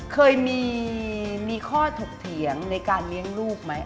เคยมีข้อถกเถียงในการเลี้ยงลูกไหม